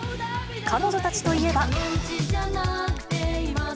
彼女たちといえば。